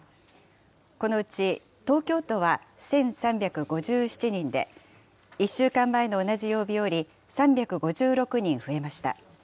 このうち東京都は１３５７人で、１週間前の同じ曜日より３５６人増えました。